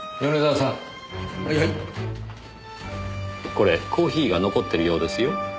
これコーヒーが残ってるようですよ。